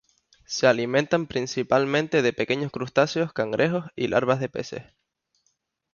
Se alimentan principalmente de pequeños crustáceos, cangrejos y larvas de peces.